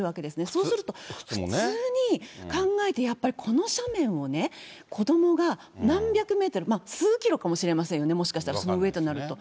そうすると、普通に考えて、やっぱりこの斜面をね、子どもが何百メートル、数キロかもしれませんよね、もしかしたら、その上となると。